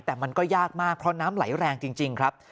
แต่มันก็ยากมากเพราะน้ำไหลแรงจริงครับ